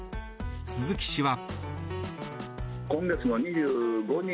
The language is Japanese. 鈴木氏は。